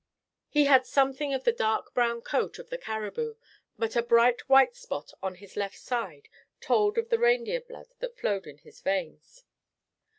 He had something of the dark brown coat of the caribou, but a bright white spot on his left side told of the reindeer blood that flowed in his veins.